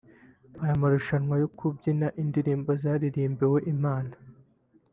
Aya marushanwa yo kubyina indirimbo zaririmbwiwe Imana